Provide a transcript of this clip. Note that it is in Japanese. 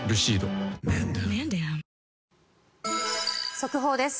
速報です。